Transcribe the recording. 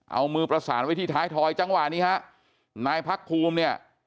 เอามือประสานไว้ที่ท้ายถอยจังหวะนี้ฮะนายพักภูมิเนี่ย